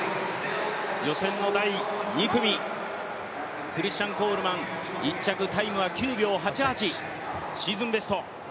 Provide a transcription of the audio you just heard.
予選の第２組、クリスチャン・コールマン、１着、タイムは９秒８８シーズンベスト。